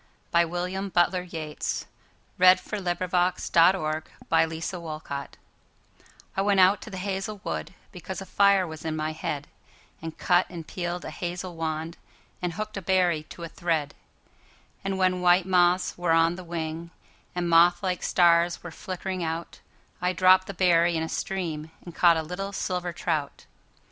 The Wind Among the Reeds. 1899. 9. The Song of Wandering Aengus I WENT out to the hazel wood, Because a fire was in my head, And cut and peeled a hazel wand, And hooked a berry to a thread; And when white moths were on the wing, And moth like stars were flickering out,I dropped the berry in a streamAnd caught a little silver trout.